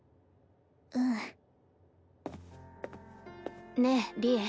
うん。ねえ利恵。